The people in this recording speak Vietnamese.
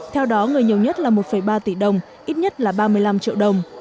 theo đó người nhiều nhất là một ba tỷ đồng ít nhất là ba mươi năm triệu đồng